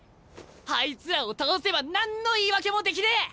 あいつらを倒せば何の言い訳もできねえ！